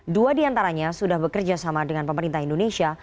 dua di antaranya sudah bekerjasama dengan pemerintah indonesia